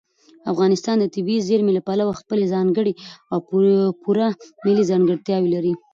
افغانستان د طبیعي زیرمې له پلوه خپله ځانګړې او پوره ملي ځانګړتیا لري.